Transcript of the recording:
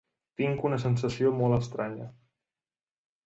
Tinc una sensació molt estranya.